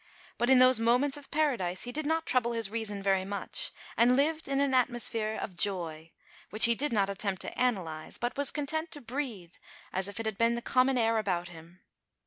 But in those moments of paradise he did not trouble his reason very much, and lived in an atmosphere of joy which he did not attempt to analyze, but was content to breathe as if it had been the common air about him.